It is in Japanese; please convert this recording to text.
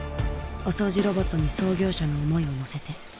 お掃除ロボットに創業者の思いを乗せて。